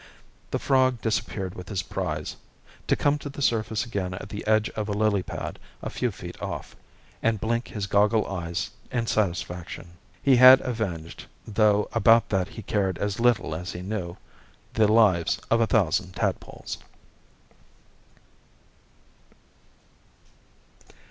The frog disappeared with his prize, to come to the surface again at the edge of a lily pad, a few feet off, and blink his goggle eyes in satisfaction. He had avenged (though about that he cared as little as he knew) the lives of a thousand tadpoles.